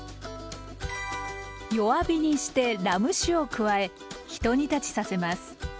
弱火にしてラム酒を加えひと煮立ちさせます。